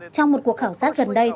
trong một cuộc khảo sát gần đây